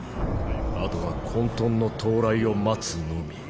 あとは混沌の到来を待つのみ。